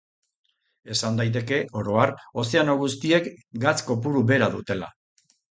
Esan daiteke, oro har, ozeano guztiek gatz kopuru bera dutela.